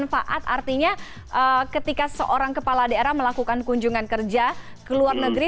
manfaat artinya ketika seorang kepala daerah melakukan kunjungan kerja ke luar negeri